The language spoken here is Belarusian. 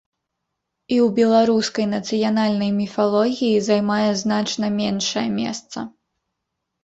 І ў беларускай нацыянальнай міфалогіі займае значна меншае месца.